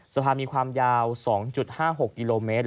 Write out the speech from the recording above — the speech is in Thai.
สะพานมีความยาว๒๕๖กิโลเมตร